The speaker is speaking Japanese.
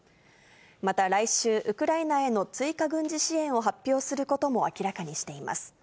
また来週、ウクライナへの追加軍事支援を発表することも明らかにしています。